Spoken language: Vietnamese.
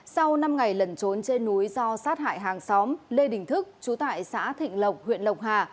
sau năm ngày lẩn trốn trên núi do sát hại hàng xóm lê đình thức chú tại xã thịnh lộc huyện lộc hà